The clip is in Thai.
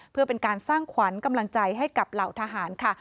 เพื่อเป็นการสร้างขวัญกำลังใจให้กับเหล่าทหารค่ะ